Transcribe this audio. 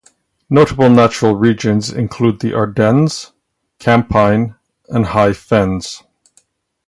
Notable natural regions include the Ardennes, Campine and High Fens.